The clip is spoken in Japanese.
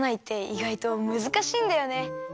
いがいとむずかしいんだよね！